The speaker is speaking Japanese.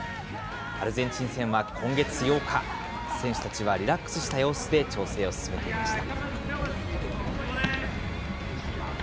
アルゼンチン戦は今月８日、選手たちはリラックスした様子で調整を進めていました。